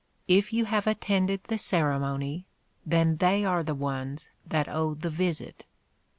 If you have attended the ceremony, then they are the ones that owe the visit.